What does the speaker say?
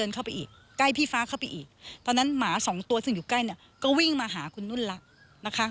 เข้าไปอีกใกล้พี่ฟ้าเข้าไปอีกตอนนั้นหมาสองตัวซึ่งอยู่ใกล้เนี่ยก็วิ่งมาหาคุณนุ่นละนะคะ